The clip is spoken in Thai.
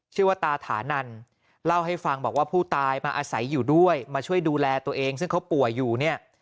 ตาถานันเล่าให้ฟังบอกว่าผู้ตายมาอาศัยอยู่ด้วยมาช่วยดูแลตัวเองซึ่งเขาป่วยอยู่เนี่ย